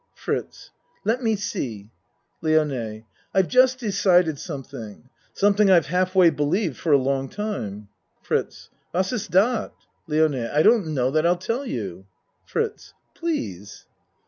FRITZ Let me see. LIONE I've just decided something. Something I've half way believed for a long time. FRITZ What is dot? LIONE I don't know that I'll tell you. FRITZ Please.